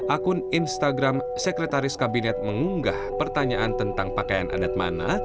akun instagram sekretaris kabinet mengunggah pertanyaan tentang pakaian adat mana